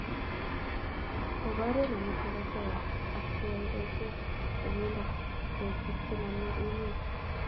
Koborie nametab osoya ak cheyoe boisiet eng yundo koek bik chechomei emet